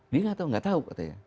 dia tidak tahu